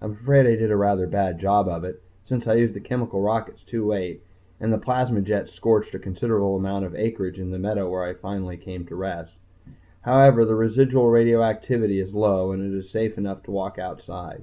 I'm afraid I did a rather bad job of it, since I used the chemical rockets too late, and the plasma jets scorched a considerable amount of acreage in the meadow where I finally came to rest. However, the residual radioactivity is low, and it is safe enough to walk outside....